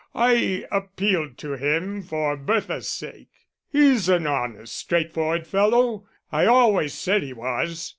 I appealed to him for Bertha's sake. He's an honest, straightforward fellow I always said he was.